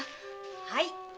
はい！